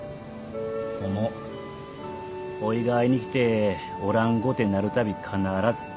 そんもおぃが会いに来ておらんごてなるたび必ず。